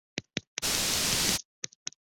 中东金花茶是山茶科山茶属的植物。